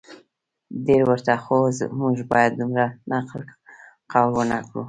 ډیر ورته خو موږ باید دومره نقل قول ونه کړو